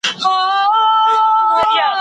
د لیکوالو یادونه زموږ د کلتوري بقا لپاره اړینه ده.